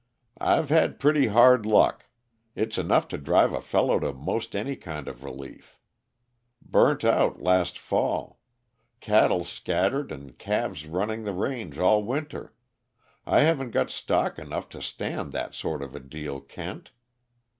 "I've had pretty hard luck it's enough to drive a fellow to most any kind of relief. Burnt out, last fall cattle scattered and calves running the range all winter I haven't got stock enough to stand that sort of a deal, Kent.